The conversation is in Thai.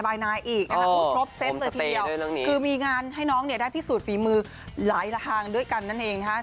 พูดครบเซ็นต์ในทีเดียวคือมีงานให้น้องได้พิสูจน์ฝีมือหลายละทางด้วยกันนั่นเอง